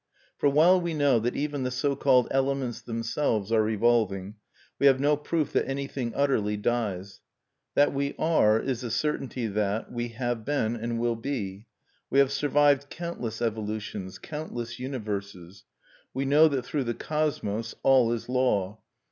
For while we know that even the so called elements themselves are evolving, we have no proof that anything utterly dies. That we are is the certainty that, we have been and will be. We have survived countless evolutions, countless universes. We know that through the Cosmos all is law.